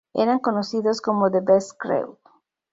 Eran conocidos como "The Beast Crew".